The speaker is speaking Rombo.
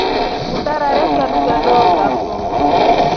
Utarare fiatu fya dookafo.